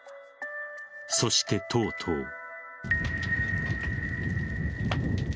そして、とうとう。